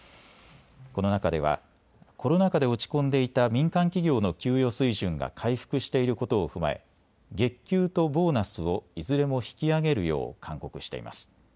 この中ではコロナ禍で落ち込んでいた民間企業の給与水準が回復していることを踏まえ月給とボーナスをいずれも引き上げるよう勧告しています。